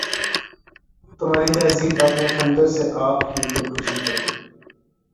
تمہاری تہذیب اپنے خنجر سے آپ ہی خودکشی کرے گی